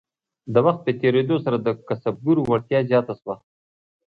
د وخت په تیریدو سره د کسبګرو وړتیا زیاته شوه.